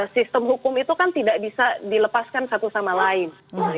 sistem hukum itu kan tidak bisa dilepaskan satu sama lain